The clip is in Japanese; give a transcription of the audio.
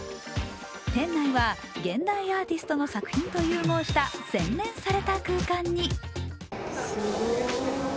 店内は現代アーティストの作品と融合した洗練された空間に。